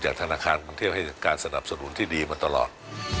ธนาคารกรุงเทพให้การสนับสนุนที่ดีมาตลอด